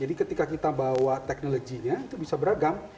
jadi ketika kita bawa teknologinya itu bisa beragam